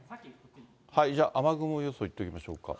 じゃあ、雨雲予想いっときましょうか。